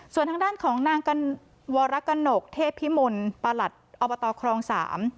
ส่วนทางด้านของนางวรกนกเทพิมลประหลัดอบตครองสาม